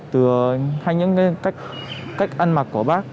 từ hay những cách ăn mặc của bác